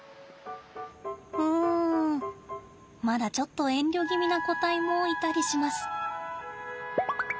うんまだちょっと遠慮気味な個体もいたりします。